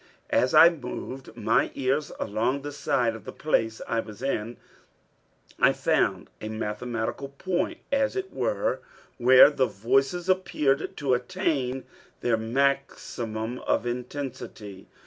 As I moved my ears along the side of the place I was in, I found a mathematical point as it were, where the voices appeared to attain their maximum of intensity.